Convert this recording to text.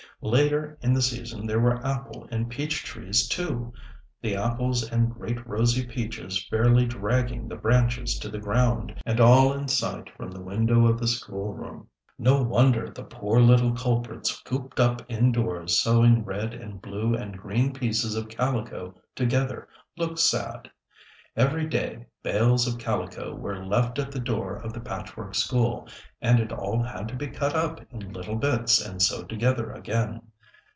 Later in the season there were apple and peach trees, too, the apples and great rosy peaches fairly dragging the branches to the ground, and all in sight from the window of the schoolroom. No wonder the poor little culprits cooped up indoors sewing red and blue and green pieces of calico together, looked sad. Every day bales of calico were left at the door of the Patchwork School, and it all had to be cut up in little bits and sewed together again.